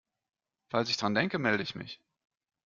Falls ich dran denke, melde ich mich.